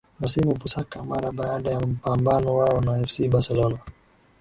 masimo busaka mara baada ya mpambano wao na fc bercelona